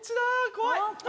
怖い。